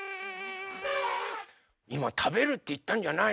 いまたべるっていったんじゃないの？